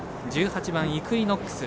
１８番イクイノックス。